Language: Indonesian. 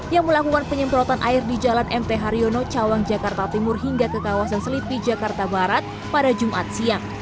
yang melakukan penyemprotan air di jalan mt haryono cawang jakarta timur hingga ke kawasan selipi jakarta barat pada jumat siang